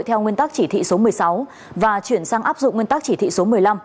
theo nguyên tắc chỉ thị số một mươi sáu và chuyển sang áp dụng nguyên tắc chỉ thị số một mươi năm